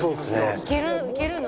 「いけるの？」